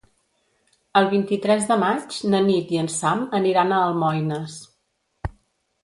El vint-i-tres de maig na Nit i en Sam aniran a Almoines.